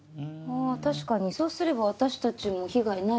あ確かにそうすれば私たちも被害ないですね。